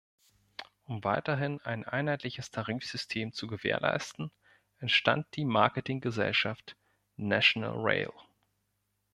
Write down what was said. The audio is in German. Um weiterhin ein einheitliches Tarifsystem zu gewährleisten, entstand die Marketinggesellschaft National Rail.